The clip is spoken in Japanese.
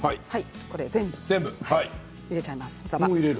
これ全部、入れちゃいます